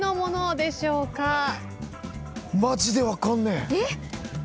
マジで分かんねえ。